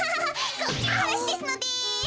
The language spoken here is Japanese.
こっちのはなしですので。